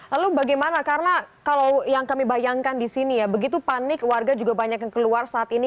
lalu bagaimana karena kalau yang kami bayangkan di sini ya begitu panik warga juga banyak yang keluar saat ini